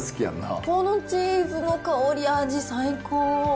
このチーズの香り、味、最高。